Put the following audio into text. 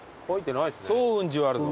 早雲寺はあるぞ。